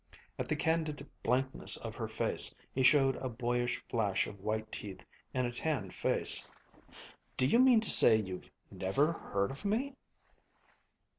At the candid blankness of her face he showed a boyish flash of white teeth in a tanned face. "Do you mean to say you've never heard of me?"